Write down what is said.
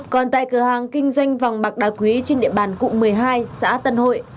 còn tại cửa hàng kinh doanh vàng bạc đá quý trên địa bàn cụng một mươi hai xã tân hội